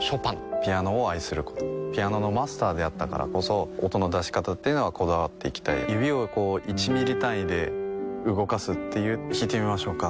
ピアノを愛することピアノのマスターであったからこそ音の出し方というのはこだわっていきたい指をこう１ミリ単位で動かすっていう弾いてみましょうか？